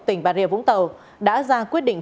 tỉnh bà rìa vũng tàu đã ra quyết định